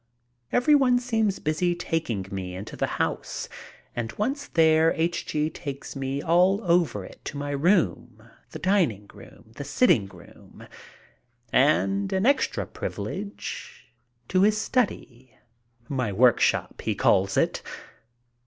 Everyone seems busy taking me into the house, and once there H. G. takes me all over it, to my room, the dining room, the sitting room and, an extra privilege, to his study. "My workshop," he calls it.